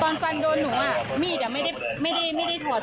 ตอนฟันโดนหนูมีดไม่ได้ถวด